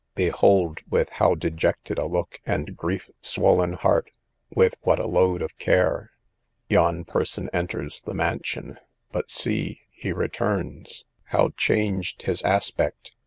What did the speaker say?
Behold, with how dejected a look and grief swollen heart, with what a load of care, yon person enters the mansion: but see, he returns—how changed his aspect!